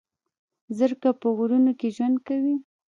زرکه په غرونو کې ژوند کوي